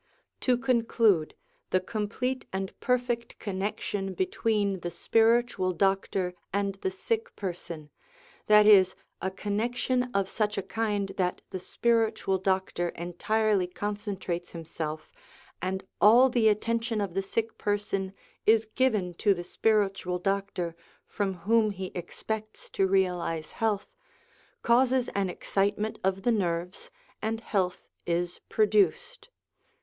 To conclude, the complete and perfect connection between the spiritual doctor and the sick person that is, a connection of such a kind that the spiritual doctor entirely concentrates himself, and all the attention of the sick person is given to the spiritual doctor from whom he expects to realise health causes an excite ment of the nerves, and health is produced.